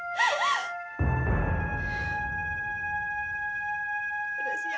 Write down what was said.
kepada siapa saya harus mengadu